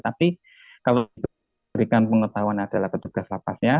tapi kalau diberikan pengetahuan adalah petugas lapasnya